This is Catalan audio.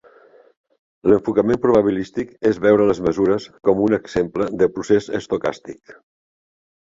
L'enfocament probabilístic és veure les mesures com un exemple de procés estocàstic.